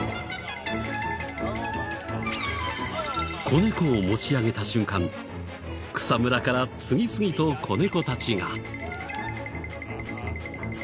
子猫を持ち上げた瞬間草むらから次々と子猫たちが。